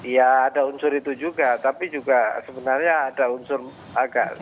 ya ada unsur itu juga tapi juga sebenarnya ada unsur agak